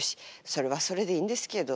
それはそれでいいんですけど。